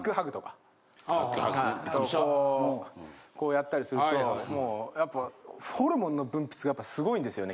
こうやったりするとホルモンの分泌がすごいんですよね。